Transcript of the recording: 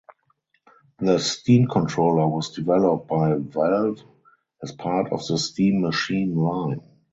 The Steam Controller was developed by Valve as part of the Steam Machine line.